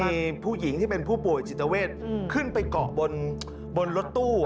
มีผู้หญิงที่เป็นผู้ป่วยจิตเวทขึ้นไปเกาะบนรถตู้